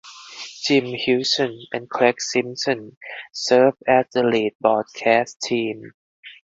Jim Hughson and Craig Simpson served as the lead broadcast team.